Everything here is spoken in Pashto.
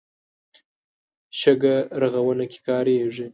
شګه رغونه کې کارېږي.